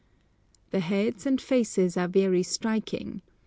The heads and faces are very striking.